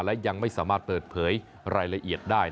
และยังไม่สามารถเปิดเผยรายละเอียดได้